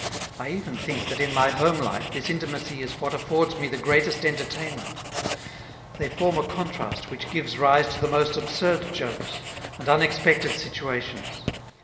I even think that in my home life this intimacy is what affords me the greatest entertainment. They form a contrast which gives rise to the most absurd jokes, and unexpected situations.